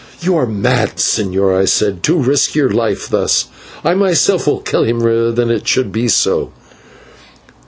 "You are mad, señor," I said, "to risk your life thus, I myself will kill him rather than it should be so."